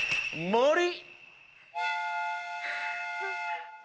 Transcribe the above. もり。